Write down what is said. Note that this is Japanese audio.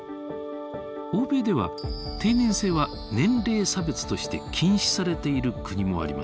欧米では定年制は年齢差別として禁止されている国もあります。